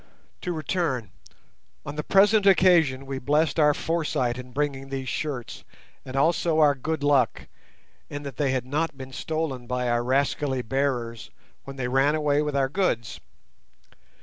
To return: on the present occasion we blessed our foresight in bringing these shirts, and also our good luck, in that they had not been stolen by our rascally bearers when they ran away with our goods.